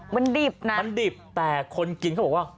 มันดิบนะมันดิบแต่คนกินเขาบอกว่า